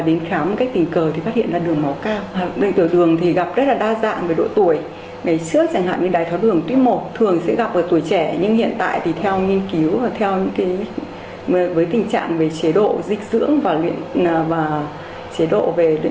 đài tháo đường tuổi hai vẫn chỉ có thể gặp ở tuổi trẻ nhất là ở những người thừa cân và béo phỉ